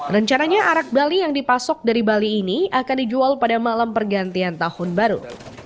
rencananya arak bali yang dipasok dari bali ini akan dijual pada malam pergantian tahun baru